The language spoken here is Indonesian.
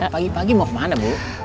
pagi pagi mau ke mana bu